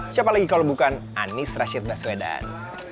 siapa lagi kalau bukan anies rashid baswedan